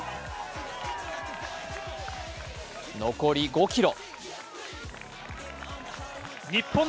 残り５ｋｍ。